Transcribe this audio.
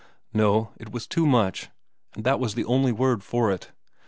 No, it was too much, and that was the only word for it.